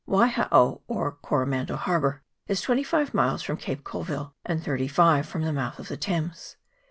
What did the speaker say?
Waihao or Coromandel Harbour is twenty five miles from Cape Colville and thirty five from the mouth of the Thames.